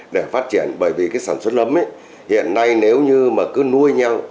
để phát triển bởi vì cái sản xuất nấm hiện nay nếu như mà cứ nuôi nhau